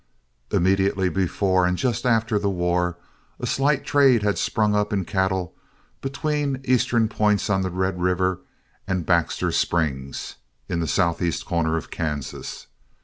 Immediately before and just after the war, a slight trade had sprung up in cattle between eastern points on Red River and Baxter Springs, in the southeast corner of Kansas.